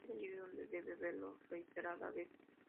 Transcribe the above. Es allí donde 'debe' verlo reiteradas veces.